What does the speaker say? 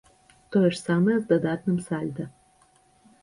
Тое ж самае з дадатным сальда.